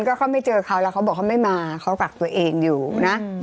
ก็เขาไม่เจอเขาแล้วเขาบอกเขาไม่มาเขากักตัวเองอยู่นะ